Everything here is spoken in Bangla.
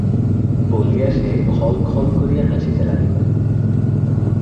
বলিয়া সে খল খল করিয়া হাসিতে লাগিল।